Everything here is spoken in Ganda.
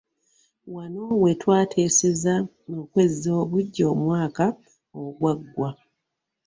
Wano we twateeseza okwezza obuggya omwaka ogwaggwa.